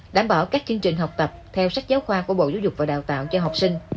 đảm bảo các chương trình học tập theo sách giáo khoa của bộ giáo dục và đào tạo cho học sinh